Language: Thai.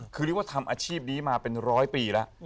คือดิวว่าทำอาชีพนี้มาเป็นร้อยปีละ